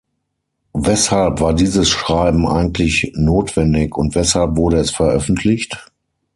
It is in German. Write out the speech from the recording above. Weshalb war dieses Schreiben eigentlich notwendig und weshalb wurde es veröffentlicht?